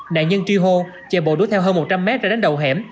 nạn nhân tri hô chạy bộ đuối theo hơn một trăm linh m ra đánh đầu hẻm